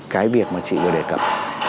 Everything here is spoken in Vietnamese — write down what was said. cái việc mà chị vừa đề cập